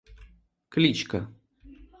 Кличка